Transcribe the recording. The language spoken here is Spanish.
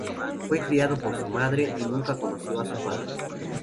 Fue criado por su madre y nunca conoció a su padre.